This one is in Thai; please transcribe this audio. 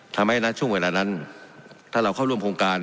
ณช่วงเวลานั้นถ้าเราเข้าร่วมโครงการ